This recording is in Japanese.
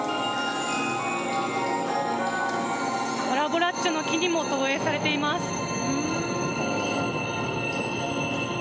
パラボラッチョの木にも投影されています。